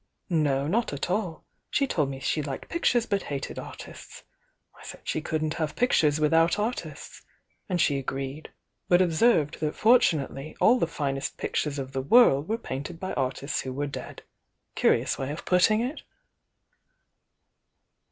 "No, not at all. She told me she liked pic tures, but hated artists. I said she couldn't have pictures without artists, and she agreed, but ob served that fortunately all the finest pictures of the world were painted by artists who were dead. Curious way of putting it!"